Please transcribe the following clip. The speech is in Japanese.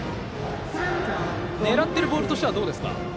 狙ってるボールとしてはどうですか？